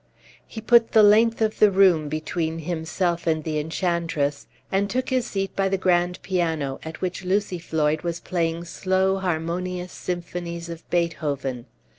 He put the length of the room between himself and the enchantress, and took his seat by the grand piano, at which Lucy Floyd was playing slow harmonious symphonies of Beethoven.